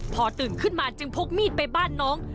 พอตื่นขึ้นมาจึงพกมีดไปบ้านน้อง